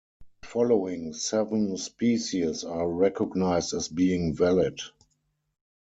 The following seven species are recognized as being valid.